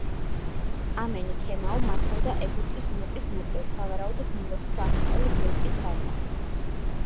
ამენი ქემაუ მართავდა ეგვიპტის უმეტეს ნაწილს, სავარაუდოდ ნილოსის აღმოსავლეთ დელტის გარდა.